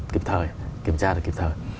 kịp thời kiểm tra được kịp thời